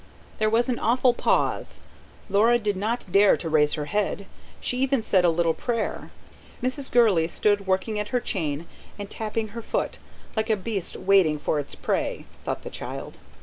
There was an awful pause; Laura did not dare to raise her head; she even said a little prayer. Mrs. Gurley stood working at her chain, and tapping her foot like a beast waiting for its prey, thought the child.